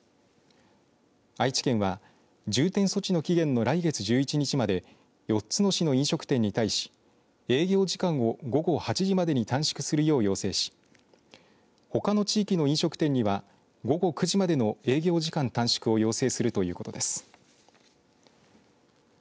愛知県は重点措置の期限の来月１１日まで４つの市の飲食店に対し営業時間を午後８時までに短縮するよう要請しほかの地域の飲食店には午後９時までの営業時間短縮を要請するということです。